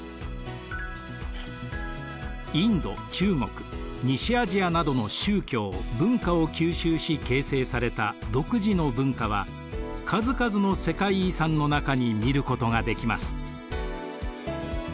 インド・中国・西アジアなどの宗教・文化を吸収し形成された独自の文化は数々の世界遺産の中に見ることができます。